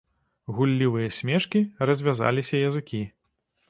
Гуллівыя смешкі, развязаліся языкі.